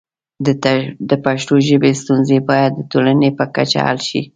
د پښتو ژبې ستونزې باید د ټولنې په کچه حل شي.